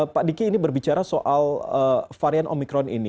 pak diki ini berbicara soal varian omikron ini